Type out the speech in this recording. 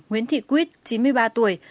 nguyễn thị quýt chín mươi ba tuổi